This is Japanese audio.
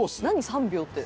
３秒って。